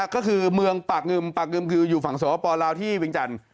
ก็คือเมืองปากงึมปากงึมคืออยู่ฝั่งสวปลาวที่เวียงจันทร์